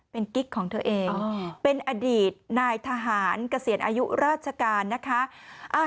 เป็นกิ๊กของเธอเองเป็นอดีตนายทหารเกษียณอายุราชการนะคะ